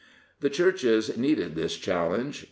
The Churches needed this challenge.